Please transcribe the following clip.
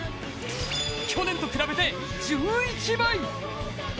去年と比べて１１倍。